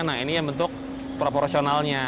nah ini yang bentuk proporsionalnya